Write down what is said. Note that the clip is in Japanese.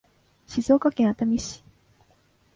静岡県熱海市